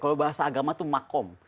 kalau bahasa agama itu makom